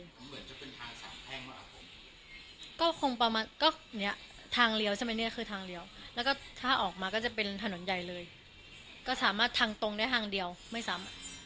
เหมือนจะเป็นทางสามแพร่งมาผมก็คงประมาณก็เนี้ยทางเลี้ยวใช่ไหมเนี่ยคือทางเลี้ยวแล้วก็ถ้าออกมาก็จะเป็นถนนใหญ่เลยก็สามารถทางตรงได้ทางเดียวไม่ซ้ำ